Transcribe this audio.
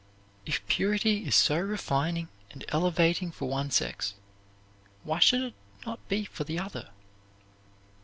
If purity is so refining and elevating for one sex, why should it not be for the other?